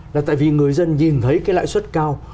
là tại vì người dân nhìn thấy cái lãi suất cao